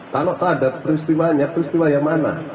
kalau tak ada peristiwanya peristiwa yang mana